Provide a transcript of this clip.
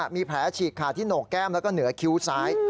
มีแผลฉีกขาดที่โหนกแก้มแล้วก็เหนือคิ้วซ้าย